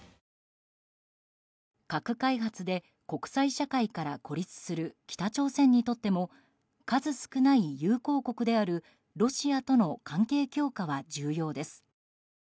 核開発で国際社会から孤立する北朝鮮にとっても数少ない友好国であるロシアとの関係強化は重要です。